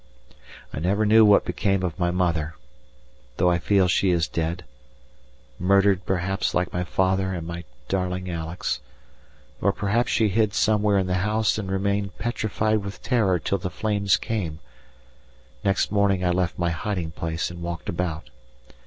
I never knew what became of my mother, though I feel she is dead murdered, perhaps, like my father and my darling Alex, or perhaps she hid somewhere in the house and remained petrified with terror till the flames came. Next morning I left my hiding place and walked about.